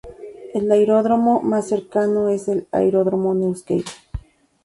El aeródromo más cercano es el Aeródromo de Newcastle.